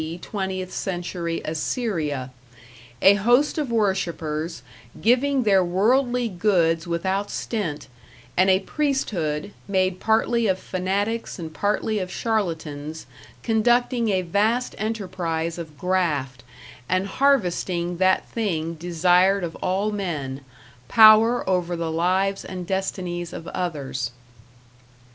twentieth century Assyria a host of worshippers; giving their worldly goods without stint, and a priesthood, made partly of fanatics and partly of charlatans, conducting a vast enterprise of graft, and harvesting that thing desired of all men, power over the lives and destinies of others.